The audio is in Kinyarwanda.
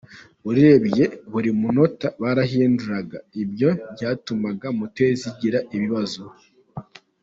Urebye, buri munota barahinduraga, ibyo byatumaga moteri zigira ibibazo.